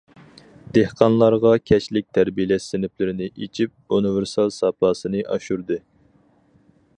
دېھقانلارغا كەچلىك تەربىيەلەش سىنىپلىرىنى ئېچىپ ئۇنىۋېرسال ساپاسىنى ئاشۇردى.